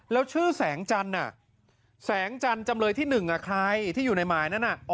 แล้วชื่อแสงจันทร์แสงจันทร์จำเลยที่๑ใครที่อยู่ในหมายนั้น